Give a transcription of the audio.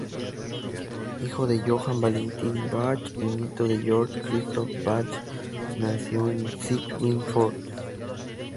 Hijo de Johann Valentin Bach y nieto de Georg Christoph Bach, nació en Schweinfurt.